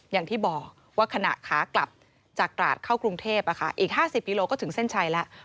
อย่างที่บอกว่าขณะขากลับจากตราดเข้ากรุงเทพอีก๕๐กิโลก็ถึงเส้นชัยแล้ว